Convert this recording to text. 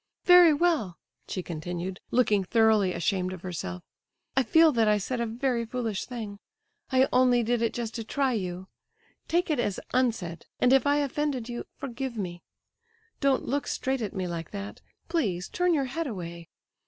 "Very well," she continued, looking thoroughly ashamed of herself, "I feel that I said a very foolish thing. I only did it just to try you. Take it as unsaid, and if I offended you, forgive me. Don't look straight at me like that, please; turn your head away.